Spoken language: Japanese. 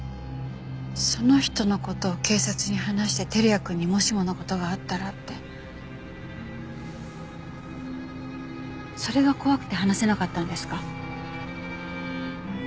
その人の事を警察に話して輝也くんにもしもの事があったらってそれが怖くて話せなかったんですか？